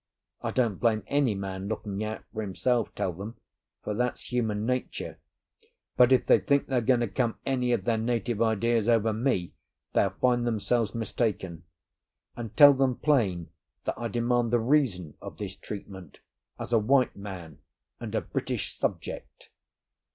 I don't blame any man looking out for himself, tell them, for that's human nature; but if they think they're going to come any of their native ideas over me, they'll find themselves mistaken. And tell them plain that I demand the reason of this treatment as a white man and a British subject."